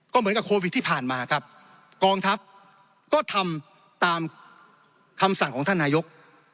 ก็เหมือนกับโควิดที่ผ่านมาครับกองทัพก็ทำตามคำสั่งของท่านนายก